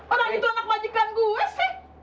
orang itu anak majikan gue sih